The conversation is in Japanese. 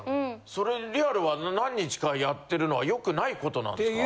それリアルは何日かやってるのは良くないことなんですか？